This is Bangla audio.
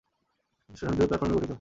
স্টেশনটি দুটি প্ল্যাটফর্ম নিয়ে গঠিত।